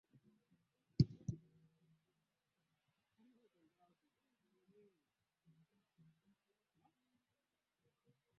ya takataka zaidi ya mara moja jambo ambalo limekuwa kero kwa wananchi ambao mara